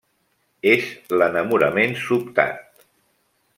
És l'enamorament sobtat.